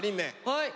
はい！